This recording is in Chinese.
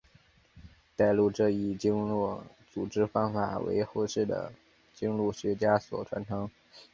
代录这一经录组织方法为后世的经录学家所继承。